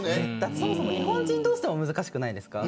そもそも、日本人同士でも難しくないですか。